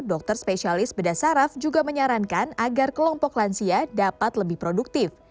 dokter spesialis bedah saraf juga menyarankan agar kelompok lansia dapat lebih produktif